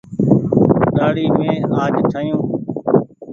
ڏآڙي مين آج ٺآيون ۔